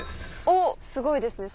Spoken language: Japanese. おっすごいですね。